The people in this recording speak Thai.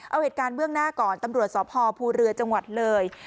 เอาเหตุการณ์เบื้องหน้าก่อนตำรวจสพภูเรือจังหวัดเลย